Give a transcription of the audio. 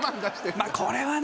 まあこれはね。